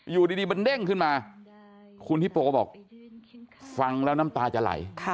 อยู่ดีมันเด้งขึ้นมาคุณฮิโปบอกฟังแล้วน้ำตาจะไหล